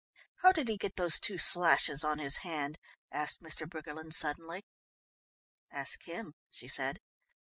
"How did he get those two slashes on his hand?" asked Mr. Briggerland suddenly. "Ask him," she said.